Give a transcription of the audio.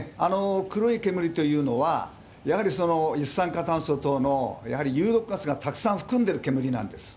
黒い煙というのは、やはり一酸化炭素等のやはり有毒ガスがたくさん含んでいる煙なんです。